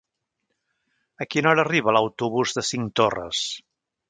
A quina hora arriba l'autobús de Cinctorres?